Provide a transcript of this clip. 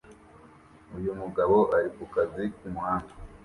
Uyu mugabo ari kukazi kumuhanda